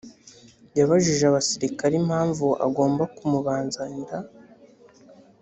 yabajije abasirikare impamvu agomba kumubazanira